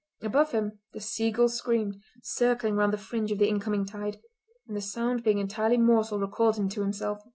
Above him the seagulls screamed, circling round the fringe of the incoming tide, and the sound being entirely mortal recalled him to himself.